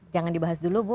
jangan dibahas dulu bu